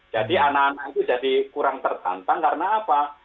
jadi anak anak itu jadi kurang tertantang karena apa